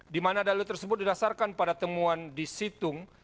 di mana dalil tersebut didasarkan pada temuan di situng